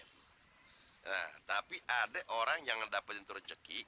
nah tapi ada orang yang mendapatkan itu rejeki